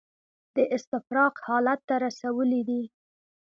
د استفراق حالت ته رسولي دي.